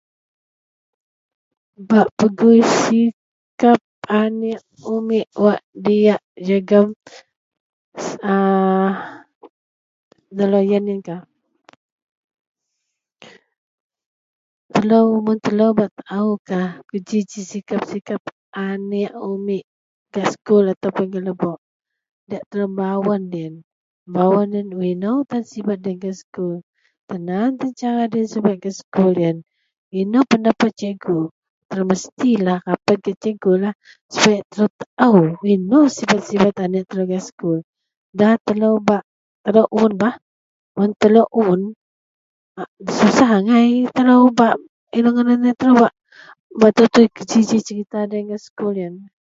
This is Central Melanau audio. Bak pegui sikap anek umit wak diyak jegem aaa doloyen iyen kah telo mun telo bak tao kuji ji sikap sikap anek umit gak sekul atau puon gak lebok diyak telo membawen doloyen wak ino tan sibet doloyen gak sekul tan angan tan sibet gak sekul kaau mesti rapet lah gak cikgu wak ino sibet anek telo gak sekul da telo mun telo un susah angai telo bak tan ji wak sibet gak sekul.